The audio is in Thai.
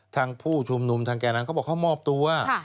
ทางผู้ชุมนุมทางแก่นั้นเขาบอกเขามอบตัว